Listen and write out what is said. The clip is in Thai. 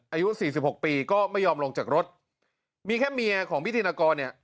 อายุสี่สิบหกปีก็ไม่ยอมลงจากรถมีแค่เมียของพิธีนากรเนี่ย